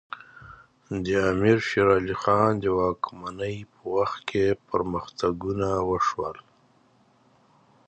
د امیر شیر علی خان د واکمنۍ په وخت کې پرمختګونه وشول.